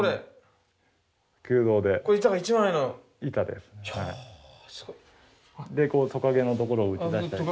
でトカゲのところを打ち出したり。